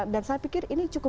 dan saya pikir ini cukup